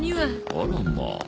あらまあ。